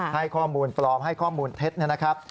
ให้ข้อมูลปลอมให้ข้อมูลเท็จนะครับ